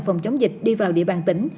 phòng chống dịch đi vào địa bàn tỉnh